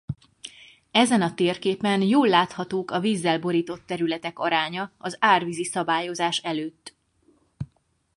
Ezen a térképen jól láthatók a vízzel borított területek aránya az árvízi szabályozás előtt.